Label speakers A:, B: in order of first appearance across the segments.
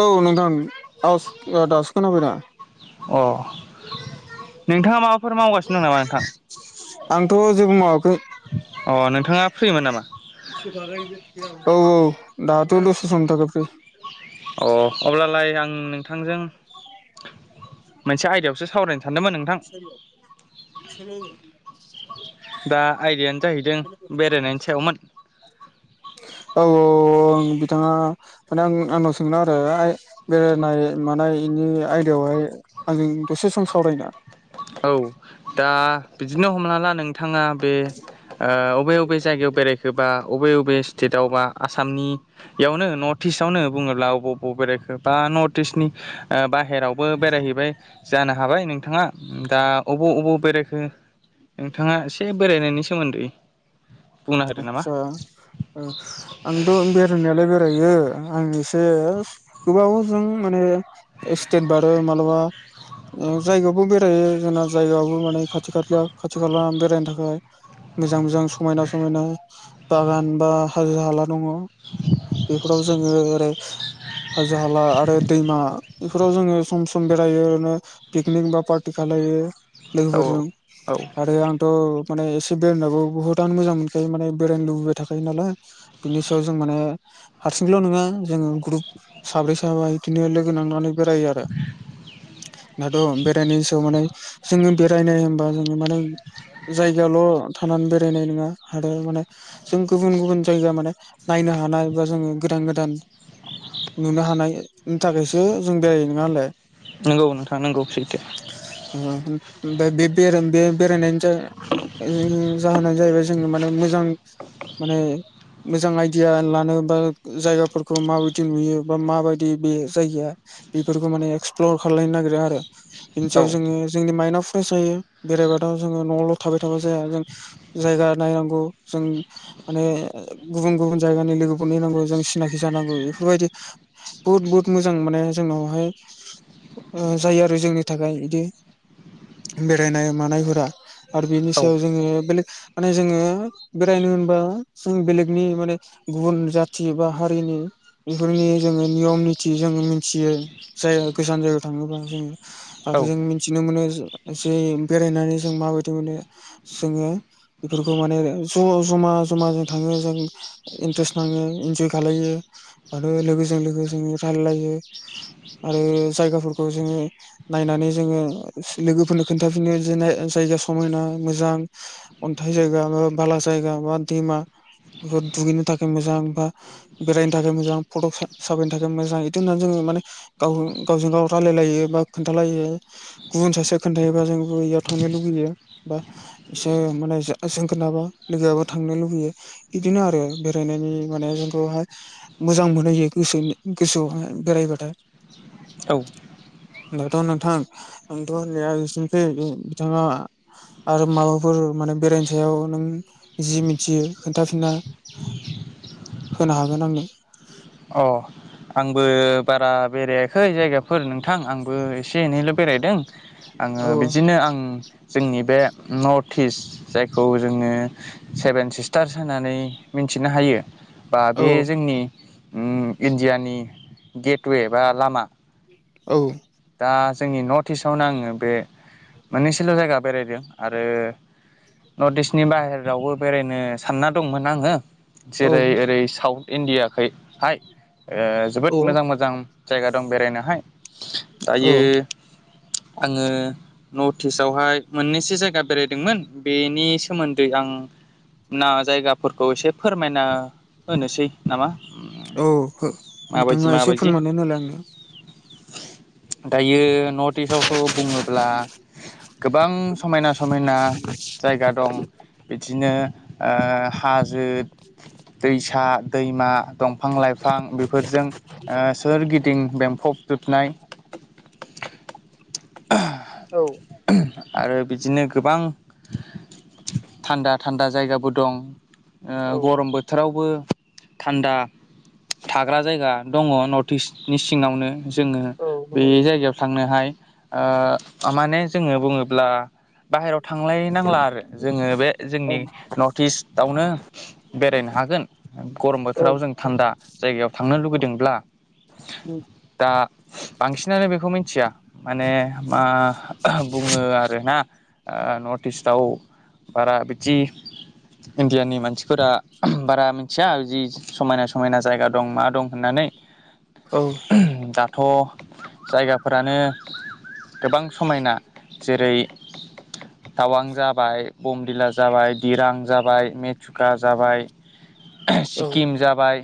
A: औ नोंथां आ दास खोनाबैदना
B: अ नोंथाङा माबाफोर मावगासिनो दं नामा नोंथां
A: आंथ' जेबो मावाखै
B: अ नोंथाङा फ्रि मोन नामा
A: औ औ दाहाथलसोसन्थ फ्रि
B: अ अब्लालाय आं नोंथांजों मोनसे आयदायावसो सावरायनो सानदोंमोन नोंथां
A: सल' सल
B: दा आइदिायानो जाहैदों बेरायनायनि सायावमोन
A: औ औ औ औ आं बिथाङा माने आं आंनाव सोंनो आरो बेरायनाय मानायनि आयदायाव ओमफ्राय आंजों दसे सम सावरायना
B: औ दा बिदिनो हमना ला नोंथाङा बे बबे बबे जायगायाव बेरायखोबा बबे बबे स्टेट द अबा आसामनियावनो नर्थ इस्टआवनो बुङोब्ला बबाव बबाव बेरायखो बा नर्थ इस्टनि बाहेरावबो बेरायहैबाय जानो हाबाय नोंथाङा दा अबे अबाव बेरायखो नोंथाङा एसे बेरायनायनि सोमोन्दै बुंना होदो नामा
A: आस्सा आंथ' बेरायनायालाय बेरायो आं एसे गोबावजों माने सटेट बारो माबलाबा औ जायगायाव बुं बे बेायो जोंना जायगायावबो माने खाथि खा खाथि खाला बेरायनो थाखाय मोजां मोजां सम समायना बागान बा हाजो हाला दङ बेफोराव जोङो ओरै हाजो हाला आरो दैमा बेफोराव जोङो सम सम बेरायो रनो पिकनिक बा पार्टि खालायो
B: औ
A: लोगोफोरजों
B: औ
A: आरो आंथ' माने एसे बेरायनानैबो बहुद आं मोजां मोन खायो माने बेरायनो लुबैबाय थाखायो नालाय बिनि सायाव जों माने हारसिंल' नङा जोङो ग्रुप साब्रै साबा बिदिनो लोगो नांनानै बेरायो आरो
B: [inaudible]
A: दाथ' बेरायनायनि सायाव माने जोङो बेरायनाय होनबा जोङो माने जायगायाल' थानानै बेरायनाय नङा आरो माने जों गुबुन गुबुन जायगा माने नायनो हानाय बा जोङो गोदान गोदान नुनो हानायनि थाखायसो जों बेरायो नोङालाय
B: नंगौ नोंथाङा नंगौ सैथो।
A: ओमफ्राय बे-बे-बेरायनायनि जाहोना जाहैबाय जों माने मोजां माने मोजां आइडिया लानो बा जायगाफोरखौ माबायदि नुयो बा माबायदि बे जायगाया बेफोरखौ माने एक्सप्लर खालायनो नागिरो आरो बिनि
B: औ
A: सायाव जोङो जोंनि माइन्द अफ जायो बेरायबाथ' जोङो न'आवल' थाबाय थाबा जाया जों जायगा नायनांगौ जों माने गुबुन गुबुन जायगानि लोगोफोर नायनांगौ जों सिनाखि जानांगौ बे बेफोरबायदि बुहुद बहुत मोजां माने जोंनावहाय जायो आरो जोंनि थाखाय बिदि बेरायनाय मानायफोरा आरो बेनि
B: औ
A: सायाव जोङो बेलेक माने जोङो बेरायनो होनबा जों बेलेगनि माने गुबुन जाथि बा हारिनि बेफोरनि जोङो नियम निथि जोङो मोनथियो जाया गोजान जायगायाव थाङोबा जोङो
B: औ
A: आरो जों मिथिनो मोनो जे बेरायनानै जों माबायदि मोनो जोङो बेफोरखौ माने ज' जमा जमा जों थाङो जों इन्ट्रेस्ट नाङो इन्जय खालायो। आरो लोगोजों लोगो जोङो रायलायो आरो जायगाफोरखौ जोङो नायनानै जोङो लोगोफोरनो खोन्थाफिनो जे जायगा समायना मोजां अन्थाइ जायगा बा बाला जायगा बा दैमा बेफोर दुगैनो थाखाय मोजां बा बेरायनो थाखाय मोजां फट' साफायनो थाखाय मोजां इदि होननानै जोङो माने गाव गावजों गाव रायलायलायो बा खोन्थालायो गुबुन सासे खोन्थायायोबा जों [unintelligible] थांनो लुुबैयो बा एसे माने जोंगोनाबा लोगोयाबो थांनो लुबैयो बिदिनो आरो बेरायनायनि माने जोंखौहाय मोजां मोनहोयो गोसोनि गोसोआवहाय बेरायबाथाय
B: औ
A: दाथ' नोंथां नोंथ' होननाया बिसेनोसै बिथाङा आरो माबाफोर माने बेरायनो सायाव नों जि मिथियो खोन्थाफिना होनो हागोन आंनो
B: अ आंबो बारा बेरायाखै जायगाफोर नोंथां आंबो एसे एनैल' बेरायदों। आङो
A: औ
B: बिदिनो आं जोंनि बे नर्थ इस्ट जायखौ जोङो सेभेन सिस्टार्स होननानै मि थिनो हायो बा
A: औ
B: बे जोंनि उम इण्डियानि गेटवे बा लामा
A: औ
B: दा जोंनि नर्थ इस्टआवनो आङो बे मोननैसोल' जायगा बेरायदों आरो नर्थ इस्टनि बाहेरावबो बेरायनो सानना दंमोन आङो
A: औ
B: जेरै ओरै साउथ इणडियाखैहाय ओ जोबोद मोजां मोजां जायगा दं बेरायनोहाय
A: औ
B: दायो आङो नर्थ इस्टआवहाय मोननैसो जायगा बेरायदोंमोन बेनि सोमोन्दै आं ना जायगाफोरखौ एसे फोरमायना होनोसै नामा।
A: औ हो
B: माबायदि
A: बिथाङा एसे
B: माबायदि
A: फोरमायना होलाय आंनि
B: दायो नर्थ इस्टआवथ' बुङोब्ला गोबां समायना समायना जायगा दं बिदिनो अ हाजो दैसा दैमा दंफां लाइफां बेफोरजों अ सोरगिदिं बेम्फब जुबनाय
A: औ
B: आरो बिदिनो गोबां थान्दा-थान्दा जायगाबो दं। अ
A: औ
B: गरम बोथोरावबो थान्दा थाग्रा जायगा दङ नर्थ इस्टनि सिङावनो जोङो
A: औ
B: बे
A: नंगौ
B: जायगायाव थांनोहाय अ माने जोङो बुङोब्ला बाहेराव थांलाय नांला आरो जोङो बे
A: औ
B: जोंनि नर्थ इस्टआवनो बे रायनो हागोन गरम
A: औ
B: बोथोराव जों थान्दा जायगायाव थांनो लुबैदोंब्ला दा बांसिनानो बेखौ मिथिया माने मा बुङो आरो ना अ नर्थ इस्टआव बारा बिदि इण्डियानि मानसिफोरा बारा मिथिया जि समायना- समायना जायगा दं मा दं होनना नै
A: औ
B: दाथ' जायगाफोरानो गोबां समायना जेरै- टावां जाबाय बमदिला जाबाय दिरां जाबाय मेथुखा जाबाय सिक्किम जाबाय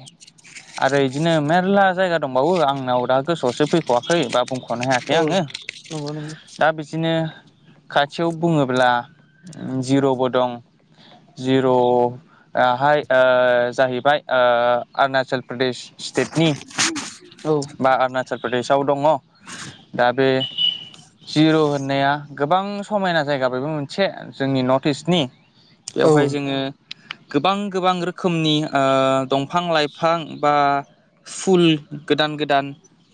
B: आरो बिदिनो मेरला जायगा दंबावो आंनाव द गोसोआवसो फैख'वाखै बा बुंख'नो हायाखै आङो
A: नंगौ नंगौ
B: दा बिदिनो खाथियाव बुङोब्ला जिर'बो दं। जिर'हाय अ जाहैबाय अ अरुणचल प्रदेश स्टेटनि
A: औ
B: बा अरुणाचल प्रदेशआव दङ दा बे जिर' होननाया गोबां समायना जायगाबो मोनसे जोंनि नर्थ इस्टनि
A: औ
B: बेवहाय जोङो गोबां-गोबां रोखोमनि अ दंफां लाइफां बा फुल गोदान-गोदान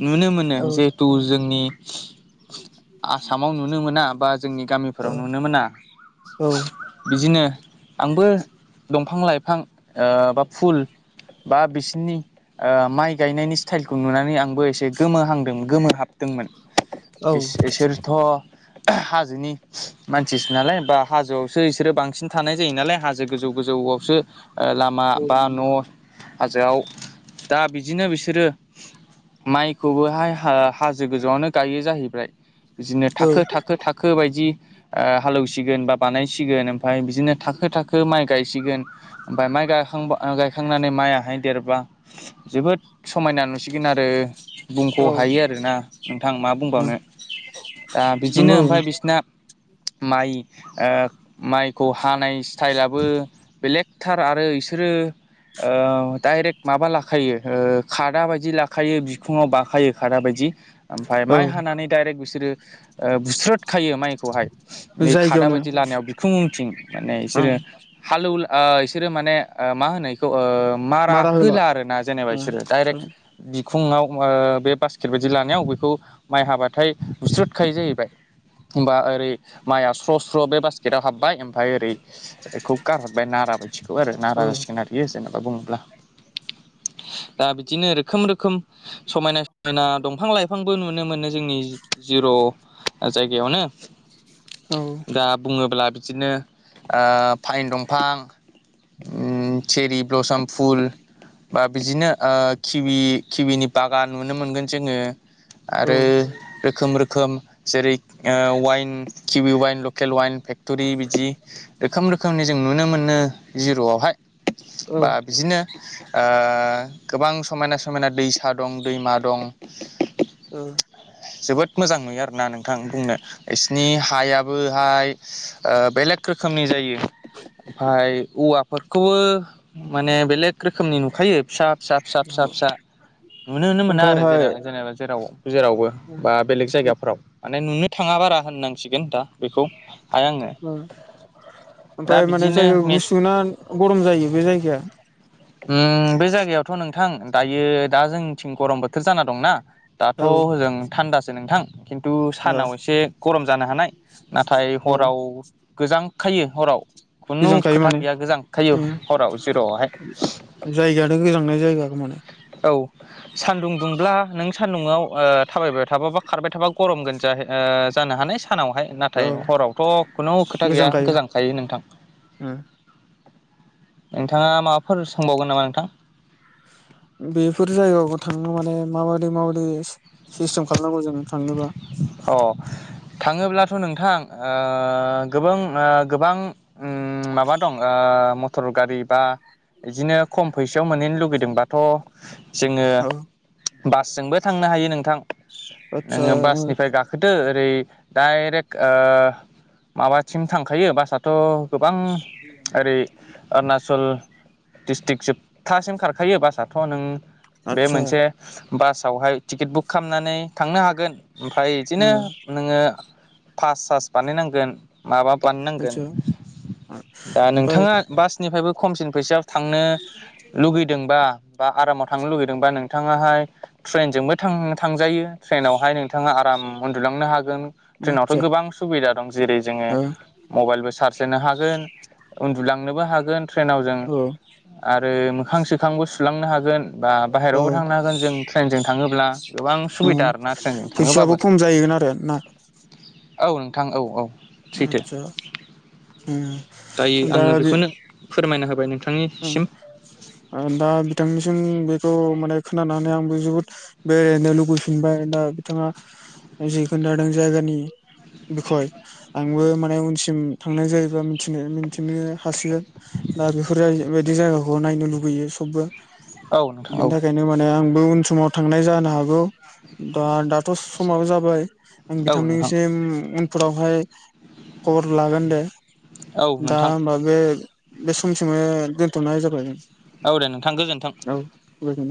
B: नुनो मोनो
A: औ
B: जिहेथु जोंनि आसामाव नुनो मोना। बा जोंनि गामिफोराव नुनो मोना बिदिनो आंबो दं फां लाइफां अ बा फुल बा बिसोरनि अ माइ गायनायनि स्टाइलखौ नुनानै आंबो एसे गोमोहांदों गोमोहाबदोंमोन।
A: औ
B: इस-इसोरथ' हाजोनि मानसिसो नालाय बा हाजोआवसो बिसोरो बांसिन थानाय जायो नालाय हाजो गोजौ गोजौ आवसो अ लामा बा न' हाजोआव दा बिदिनो बिसोरो माइखौबोहाय हा-हाजो गोजौआवनो गायो जाहैबाय बिदिनो
A: औ
B: थाखो-थाखो-थाखो बायदि ओ हालेवसिगोन बा बानायसिगोन ओमफाय बिदिनो थाखो थाखो माइ गायसिगोन ओमफाय माइ गायखांबा गायखांनानै माइयाहाय देरबा जोबोद समायना नुसिगोन आरो बुंख'
A: औ
B: हायो आरोना नोंथां मा बुंबावनो दा बिदिनो
A: नंगौ
B: ओमफाय बिसिना माइ ओ माइखौ हानाय स्टाइलाबो बेलेक थार आरो बिसोरो ओ डाइरेक्ट माबा लाखायो ओ। खादा बायदि लाखायो बिखुङाव बाखायो खादा बायदि ओमफ्राय
A: औ
B: माइ हानानै डाइरेक्ट बि सोरो बुस्रोथ खायो माइखौहाय बे खादा
A: जायगायावनो
B: बायदि लानायाव बिखुं उनथिं माने बिसोरो हालौ आ बिसोरो माने मा होनो इखौ ओ मारा होला आरोना जेनेबा
A: औ
B: इसोर डाइरेक्ट बि बिखुङाव बे बास्केट बायदि लानायाव बेखौ माइ हाबाथाय बुस्रोदखायो जाहैबाय होमबा ओरै माइआ स्र' स्र' बे बास्केटाव हाबबाय ओमफ्राय ओरै बेखौ गारहरबाय नारा बायदिखौ आरो
A: औ
B: नारा जासिगोन आरोखि जेनबा बुङोब्ला। दा बिदिनो रोखोम रोखोम समायना समायना दंफां लाइफांबो नुनो मोनो जोंनि जिर' जायगायावनो
A: औ
B: दा बुङोब्ला बिदिनो ओ फाइन दंफां ओ चेरि ब्लसम फुल बा बिदिनो ओ खिबि खिबिनि बागान नुनो मोनगोन जोङो आरो
A: औ
B: रोखोम रोखोम जेरै ओ वाइन किबि वाइन लकेल वाइन फेक्ट'रि बिदि रोखोम रोखोमनि जों नुनो मोनो जिर'आवहाय
A: औ
B: बा बिदिनो ओ गोबां समायना समायना दैसा दं, दैमा दं,
A: औ
B: जोबोद मोजां नुयो आरोना नोंथां बुंनो इसिनि हायाबोहाय ओ बेलेग रोखोमनि जायो ओमफाय औवाफोरखौबो माने बेलेग रोखोमनि नुखायो फिसा फिसा फिसा फिसा नुनोनो मोना आरो
A: ओमफ्रायहाय
B: जेनेबा जेनेबा जेराव जेरावबो बा बेलेग जायगाफोराव माने नुनो थाङा बारा होननांसिगोन दा बेखौ हाया आङो
A: औ
B: दा
A: ओमफाय माने
B: बिदिनो
A: जायगा
B: मे
A: गुसु ना गरम जायो बे जायगाया
B: उम बे जायगायावथ' नोंथां दायो दा जोंनिथिं गरम बोथोर जाना दंना दाथ'
A: औ ओ
B: हजों थान्दासो नोंथां खिन्थु सानाव
A: औ
B: एसे गरम जानो हानाय, नाथाय हराव गोजांखायो हराव खुनु
A: गोजांखायो
B: खोथा
A: माने
B: गैया गोजांखायो
A: ओ
B: हराव जिर'आवहाय
A: जायगायानो गोजांनाय जायगा माने
B: औ सान्दुं दुंब्ला नों सान्दुंआव ओ थाबायबाय थाबा बा खारबाय थाबा गरमगोन जाहै ओ जानो हानाय सानावहाय
A: औ
B: नाथाय हरावथ' खुनु खोथा गैया गोजांखायो नोंथां।
A: ओ
B: नोंथाङा माबाफोर सोंबावगोन नामा नोंथां?
A: बेफोर जायगायाव थांनो माने माबायदि माबायदि सिस्टेम खालामनांगौ जों? थांनोबा
B: अ थाङोब्लाथ' नोंथां ओ गोबां ओ गोबां ओम माबा दं ओ मटर गारि बा बिदिनो खम फैसायाव मोनहैनो लुगैदोंबाथ' जोङो
A: औ
B: बासजोंबो थांनो हायो नोंथां
A: आतसा
B: नोङो
A: ओ
B: बासनिफ्राय गाखोदो ओरै डाइरेक्ट ओ माबासिम थांखायो बासआथ' गोबां ओरै अरुनाचल दिस्ट्रिक्ट जोबथासिम खारखायो बासआथ' नों बे
A: आतसा
B: मोनसे बासावहाय टिकेट बुक खालामनानै थांनो हागोन ओमफ्राय बिदिनो
A: ओ
B: नोङो पास सास बानायनांगोन। माबा बानायनांगोन
A: आतसा
B: दा
A: ओमफ्राय
B: नोंथाङा बासनिफ्रायबो खमसिन फैसा थांनो लुगैदोंबा बा आरामाव थांनो लुगैदोंबा नोंथाङाहाय ट्रेनजोंबो थां थांजायो। ट्रेनावहाय नोंथाङा आराम उन्दुलांनो हागोन। ट्रेन आवथ'
A: आतसा
B: गोबां सुबिदा दं जेरै जोङो
A: ओ
B: मबाइलबो सार्स होनो हागोन। [unintelligible] उनदुलांनोबो हागोन ट्रेन आव जों
A: औ
B: आरो मोखां सोखांबो सुलांनो हागोन बा
A: औ
B: बाहेरायावबो थांनो हागोन जों ट्रेनजों थाङोब्ला गोबां
A: ओ
B: सुबिदा आरोना ट्रेनजों थाङोबाबो
A: फैसायाबो खम जाहैगोन आरो ना?
B: औ नोंथां औ औ सैथो
A: आतसा
B: दायो
A: दा
B: आङो बेखौनो फोरमायना होबाय
A: [unintelligible]
B: नोंथांनिसिम
A: आरो दा बिथांनिसिम बे औ माने खोनानानै आंबो जोबोद बेरायनो लुबैफिनबाय दा बिथाङा जि खोनथादों जायगानि बिखय आंबो माने उनसिम थांनाय जायोबा मिथि मिथिनो हासिगोन दा बेफोरबायदि बे जायगाखौ नायनो लुुबैयो सबबो
B: औ नोंथां
A: बिनि
B: औ
A: थाखायनो माने आंबो उन समाव थांनाय जानो हागौ। दा दाथ' समाबो जाबाय आं
B: औ नोंथां
A: बिथांनिसिम उनफोरावहाय खबर लागोन दे।
B: औ
A: दा
B: नोंथां
A: होमबा बे बे समसिमनो दोनथ'नाय जाबाय।
B: औ दे नोंथां गोजोनथों।
A: औ गोजोननाय